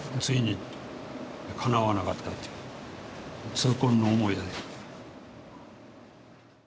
痛恨の思いだよ。